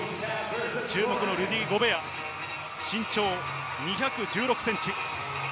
注目のルディ・ゴベア、身長２１６ｃｍ。